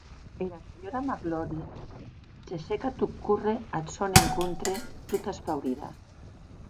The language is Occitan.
Era senhora Magloire gessec a tot córrer ath sòn encontre tota espaurida.